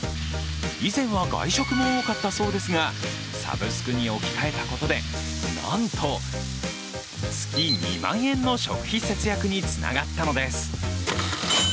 以前は外食も多かったそうですがサブスクに置き換えたことでなんと月２万円の食費節約につながったのです。